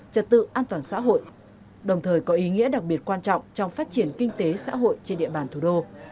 trật tự an toàn xã hội đồng thời có ý nghĩa đặc biệt quan trọng trong phát triển kinh tế xã hội trên địa bàn thủ đô